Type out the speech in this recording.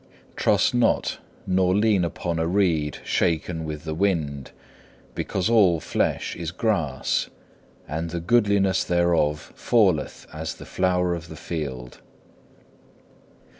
Trust not nor lean upon a reed shaken with the wind, because all flesh is grass, and the goodliness thereof falleth as the flower of the field.